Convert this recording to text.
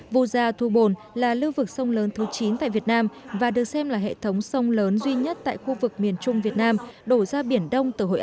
vu gia thu bồn là lưu vực sông lớn thứ chín tại việt nam và được xem là hệ thống sông lớn duy nhất tại khu vực miền trung việt nam đổ ra biển đông từ hội an